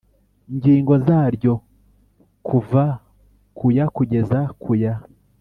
ngingo zaryo kuva kuya kugeza ku ya